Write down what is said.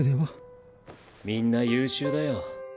みんな優秀だよ。